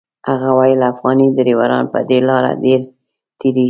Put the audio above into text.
هغه ویل افغاني ډریوران په دې لاره ډېر تېرېږي.